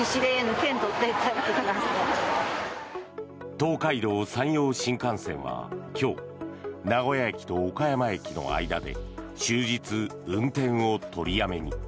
東海道・山陽新幹線は今日名古屋駅と岡山駅の間で終日運転を取りやめに。